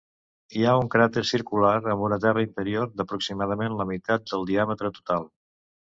Hi ha un cràter circular amb un terra interior d'aproximadament la meitat del diàmetre total.